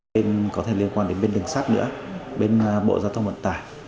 bên có thể liên quan đến bên đường sắt nữa bên bộ giao thông vận tải